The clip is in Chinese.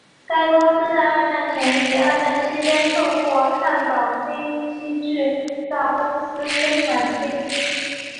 该公司在二战前及二战期间透过汉堡飞机制造公司生产飞机。